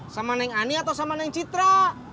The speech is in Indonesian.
sama neng ani atau sama neng citra